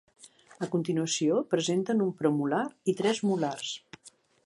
A continuació presenten un premolar i tres molars.